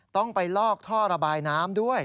ต้องไปลอกท่อระบายน้ำด้วย